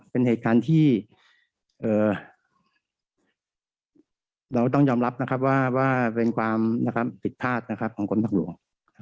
เป็นเหตุการณ์ที่เราต้องยอมรับนะครับว่าเป็นความผิดพลาดของกรมทางหลวง